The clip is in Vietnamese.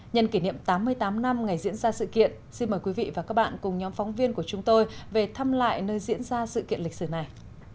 nhân kỷ niệm tám mươi tám năm ngày diễn ra sự kiện xin mời quý vị và các bạn cùng nhóm phóng viên của chúng tôi về thăm lại nơi diễn ra sự kiện lịch sử này